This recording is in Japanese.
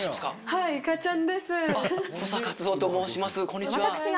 はいいかちゃんです。